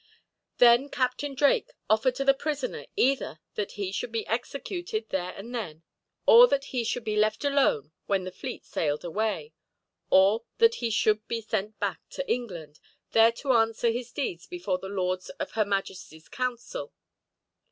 Then Captain Drake offered to the prisoner either that he should be executed there and then, or that he should be left alone when the fleet sailed away, or that he should be sent back to England, there to answer his deeds before the lords of her majesty's council.